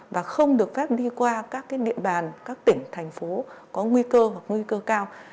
và không được phép đi qua các địa bàn các tỉnh thành phố có nguy cơ hoặc nguy cơ cao